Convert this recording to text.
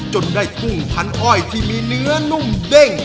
จนได้กุ้งพันอ้อยที่มีเนื้อนุ่มเด้ง